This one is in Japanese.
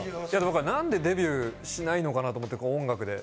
何でデビューしないのかなと思って、音楽で。